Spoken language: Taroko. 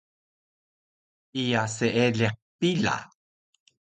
Iya seelaq pila